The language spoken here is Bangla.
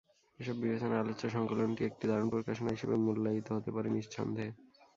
এসব বিবেচনায় আলোচ্য সংকলনটি একটি দারুণ প্রকাশনা হিসেবে মূল্যায়িত হতে পারে নিঃসন্দেহে।